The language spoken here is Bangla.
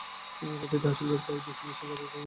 প্রত্যেকটি হাসপাতাল চায়, বেশী বেশী রোগী যেন আসে।